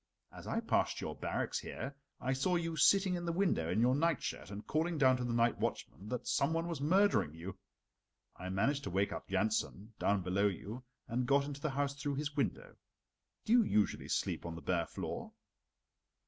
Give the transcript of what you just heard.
As I passed your barracks here, I saw you sitting in the window in your nightshirt and calling down to the night watchman that some one was murdering you. I managed to wake up Jansen down below you, and got into the house through his window. Do you usually sleep on the bare floor?"